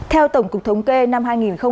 theo tổng cục thống kê năm hai nghìn hai mươi một